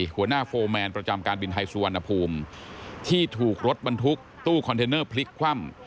โฟร์แมนประจำการบินไทยสุวรรณภูมิที่ถูกรถบรรทุกตู้คอนเทนเนอร์พลิกคว่ำ